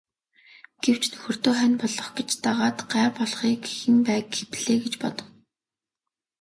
Гэвч нөхөртөө хань болох гэж дагаад гай болохыг хэн байг гэх билээ гэж бодов.